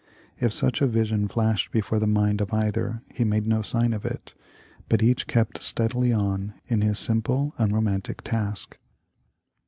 If such a vision flashed before the mind of either he made no sign of it, but each kept stead ily on in his simple, unromantic task.